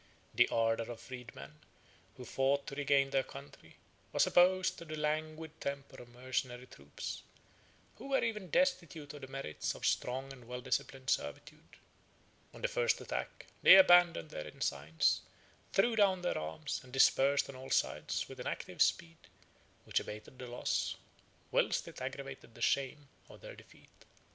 The ardor of freedmen, who fought to regain their country, was opposed to the languid temper of mercenary troops, who were even destitute of the merits of strong and well disciplined servitude. On the first attack, they abandoned their ensigns, threw down their arms, and dispersed on all sides with an active speed, which abated the loss, whilst it aggravated the shame, of their defeat.